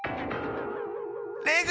レグ！